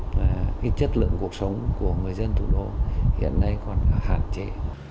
và cái chất lượng cuộc sống của người dân thủ đô hiện nay còn hạn chế